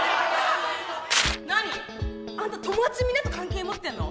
何よあんた友達みんなと関係持ってるの？